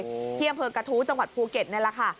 โอ้โฮที่บกะทู้จังหวัดภูเก็ตนั่นล่ะค่ะ